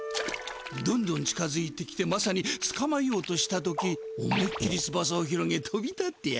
どんどん近づいてきてまさにつかまえようとした時思いっきりつばさを広げとび立ってやる。